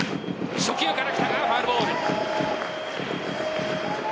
初球からきたがファウルボール。